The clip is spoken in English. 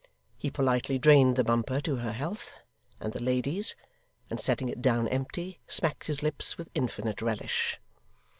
He politely drained the bumper to her health, and the ladies, and setting it down empty, smacked his lips with infinite relish.